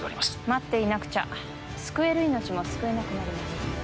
待っていなくちゃ救える命も救えなくなります。